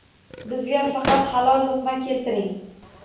Bizga faqat halol luqma keltiring.